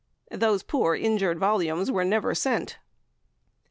Those poor injured volumes were never sent.